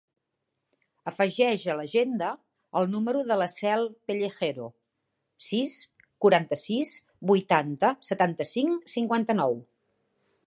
Afegeix a l'agenda el número de la Cel Pellejero: sis, quaranta-sis, vuitanta, setanta-cinc, cinquanta-nou.